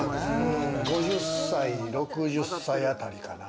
５０歳、６０歳あたりかな？